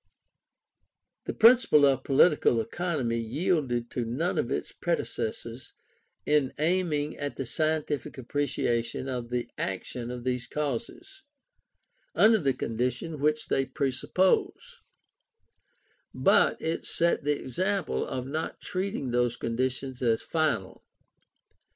The Principles of Political Economy yielded to none of its predecessors in aiming at the scientific appreciation of the action of these causes, under the conditions which they presuppose; but it set the example of not treating those conditions as final.